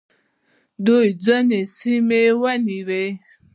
دوی ځینې سیمې ونیولې